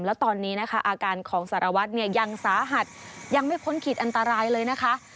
แล้วตอนนี้นะคะอาการของสารวัตรเนี่ยยังสาหัสยังไม่พ้นขีดอันตรายเลยนะคะ